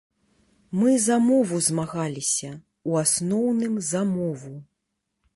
Мы за мову змагаліся, у асноўным, за мову.